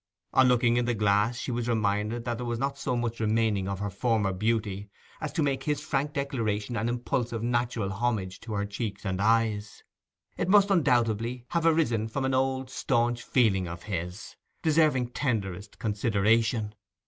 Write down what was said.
On looking in the glass she was reminded that there was not so much remaining of her former beauty as to make his frank declaration an impulsive natural homage to her cheeks and eyes; it must undoubtedly have arisen from an old staunch feeling of his, deserving tenderest consideration.